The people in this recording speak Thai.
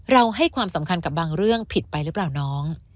ให้ความสำคัญกับบางเรื่องผิดไปหรือเปล่าน้อง